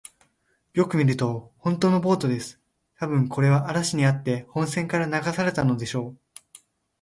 よく見ると、ほんとのボートです。たぶん、これは嵐にあって本船から流されたのでしょう。